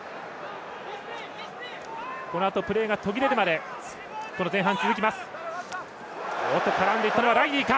このあとプレーが途切れるまで前半は続きます。